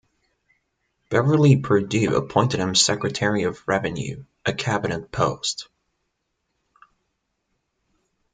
Beverly Perdue appointed him Secretary of Revenue, a Cabinet post.